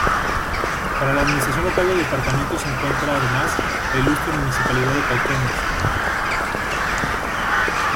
Para la administración local del departamento se encuentra, además, la Ilustre Municipalidad de Cauquenes.